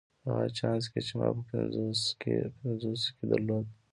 په هغه چانس کې چې ما په پنځوسو کې درلود.